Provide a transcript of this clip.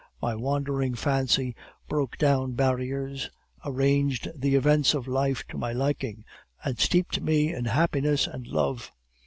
My wandering fancy broke down barriers, arranged the events of life to my liking, and steeped me in happiness and love.